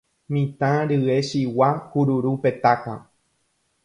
Mitã rye chigua kururu petáka